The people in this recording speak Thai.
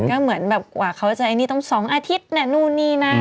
ก็เหมือนแบบกว่าเขาจะไอ้นี่ต้อง๒อาทิตย์นะนู่นนี่นั่น